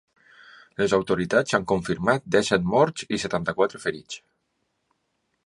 Les autoritats han confirmat disset morts i setanta-quatre ferits.